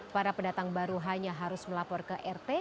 para pendatang baru hanya harus melapor ke rt